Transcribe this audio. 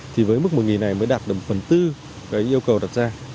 thì với mức một này mới đạt được một phần tư cái yêu cầu đặt ra